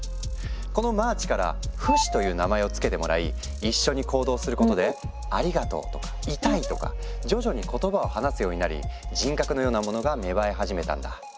このマーチから「フシ」という名前を付けてもらい一緒に行動することで「ありがとオ」とか「イタイ」とか徐々に言葉を話すようになり人格のようなモノが芽生え始めたんだ。